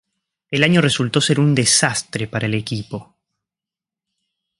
El año resultó ser un desastre para el equipo.